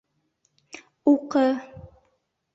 Уҡы!